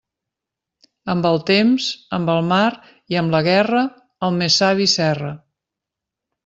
Amb el temps, amb el mar i amb la guerra, el més savi s'erra.